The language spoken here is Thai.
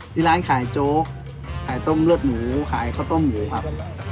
ที่ร้านขายโจ๊กขายต้มเลือดหมูขายข้าวต้มหมูครับ